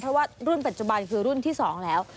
เพราะว่ารุ่นปัจจุบันคือรุ่นที่๒แล้ว